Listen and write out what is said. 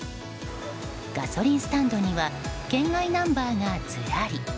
ガソリンスタンドには県外ナンバーがずらり。